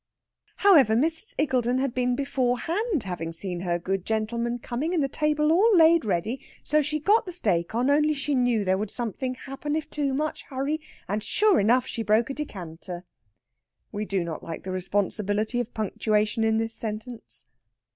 However, Mrs. Iggulden had been beforehand, having seen her good gentleman coming and the table all laid ready, so she got the steak on, only she knew there would something happen if too much hurry and sure enough she broke a decanter. We do not like the responsibility of punctuation in this sentence.